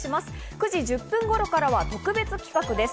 ９時１０分頃からは特別企画です。